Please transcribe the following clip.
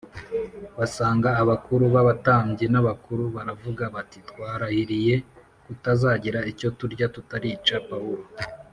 Basanga abakuru i b abatambyi n abakuru baravuga bati twarahiriye kutazagira icyo turya tutarica Pawulo